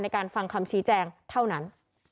ในการฟังคำชี้แจงเท่านั้น